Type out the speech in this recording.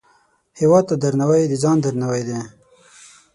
هیواد ته درناوی، د ځان درناوی دی